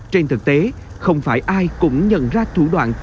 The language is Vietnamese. trên thực tế không phải ai cũng nhận ra thủ đoạn